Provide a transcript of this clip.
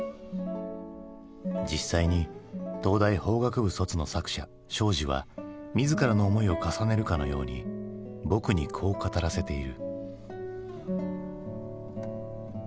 実際に東大法学部卒の作者庄司は自らの思いを重ねるかのように「ぼく」にこう語らせている。